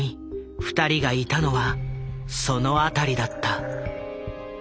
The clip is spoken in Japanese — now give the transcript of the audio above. ２人がいたのはその辺りだった。